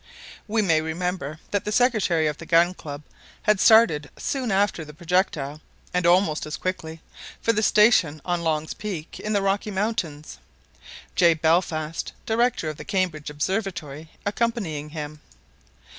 We may remember that the secretary of the Gun Club had started soon after the projectile (and almost as quickly) for the station on Long's Peak, in the Rocky Mountains, J. Belfast, director of the Cambridge Observatory, accompanying him.